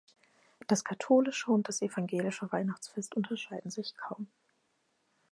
Das katholische und das evangelische Weihnachtsfest unterscheiden sich kaum.